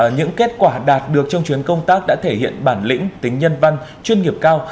những kết quả đạt được trong chuyến công tác đã thể hiện bản lĩnh tính nhân văn chuyên nghiệp cao